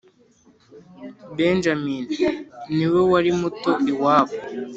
benjamini niwe wari muto iwabo